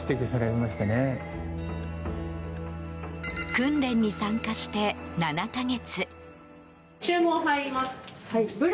訓練に参加して７か月。